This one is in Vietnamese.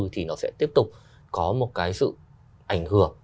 thì nó sẽ tiếp tục có một cái sự ảnh hưởng